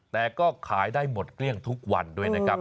แต่ก็ขายได้หมดเกลี้ยงทุกวันด้วยนะครับ